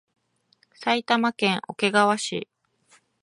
埼玉県桶川市